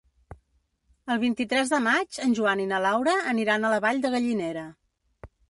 El vint-i-tres de maig en Joan i na Laura aniran a la Vall de Gallinera.